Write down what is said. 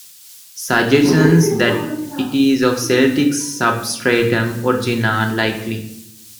Suggestions that it is of Celtic substratum origin are unlikely.